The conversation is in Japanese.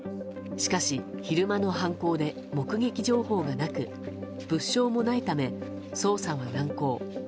しかし、昼間の犯行で目撃情報がなく物証もないため捜査は難航。